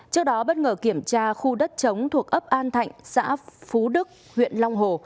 trước đó bất ngờ kiểm tra khu đất chống thuộc ấp an thạnh xã phú đức huyện long hồ